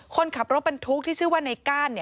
คนขับรถบรรทุกที่ชื่อว่าในก้าน